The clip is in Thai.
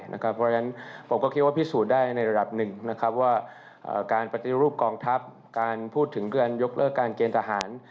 เพราะฉะนั้นผมก็คิดว่าพิสูจน์ได้ในระดับหนึ่งว่าการปฏิรูปกองทัพการพูดถึงการยกเลิกการเกณฑ์ทหาร